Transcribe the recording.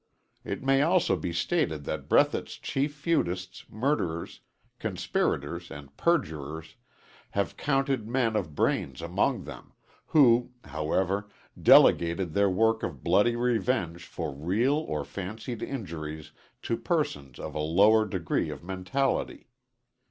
It may also be stated that Breathitt's chief feudists, murderers, conspirators and perjurers have counted men of brains among them, who, however, delegated their work of bloody revenge for real or fancied injuries to persons of a lower degree of mentality.